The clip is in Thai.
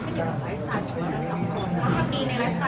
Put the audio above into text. ว่าถ้ามีในไลฟ์สไตล์๓ครั้วมันมีนะฮะ